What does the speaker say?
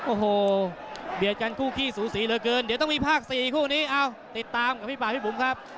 โอ้โหเบียดกันคู่ขี้สูสีเหลือเกินเดี๋ยวต้องมีภาค๔คู่นี้เอ้าติดตามกับพี่ป่าพี่บุ๋มครับ